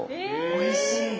おいしい。